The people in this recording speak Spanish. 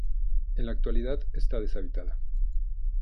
En la actualidad está deshabitada.